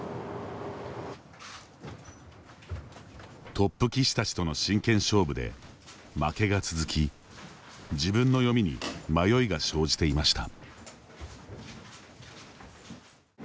トップ棋士たちとの真剣勝負で負けが続き自分の読みに迷いが生じていました。